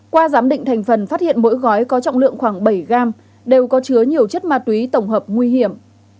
qua giám định thành phần phát hiện mỗi gói có trọng lượng khoảng bảy gram đều có chứa nhiều chất ma túy tổng hợp nguy hiểm